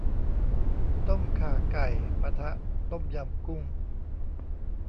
ต้มข่าไก่ ปะทะ ต้มยำกุ้ง